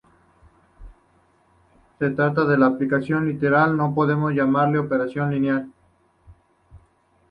Si se trata de una aplicación lineal, podemos llamarle operador lineal.